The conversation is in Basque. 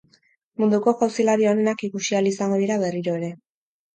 Munduko jauzilari onenak ikusi ahal izango dira berriro ere.